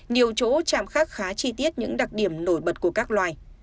nhiều chỗ chạm khắc khá chi tiết những đặc điểm nổi bật của các loài